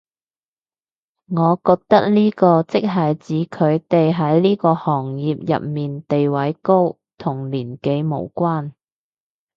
我覺得呢個即係指佢哋喺呢個行業入面地位高，同年紀無關